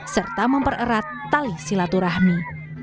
serta mempererat tali silaturahmi